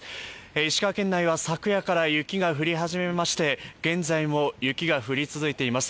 石川県内は昨夜から雪が降り始めまして、現在も雪が降り続いています。